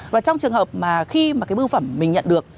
và trong trường hợp mà khi mà cái bưu phẩm mình nhận được